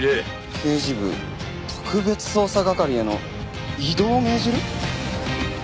「刑事部特別捜査係への異動を命じる」？